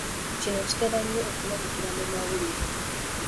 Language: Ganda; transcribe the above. Kino kitera nnyo okulabikira mu mawulire.